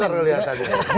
sponsor lu lihat tadi